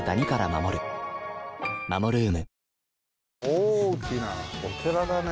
大きなお寺だね。